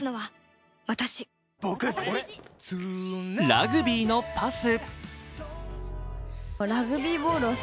ラグビーのパス。